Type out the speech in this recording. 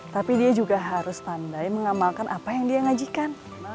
tapi dia juga harus pandai mengamalkan apa yang dia ngajikan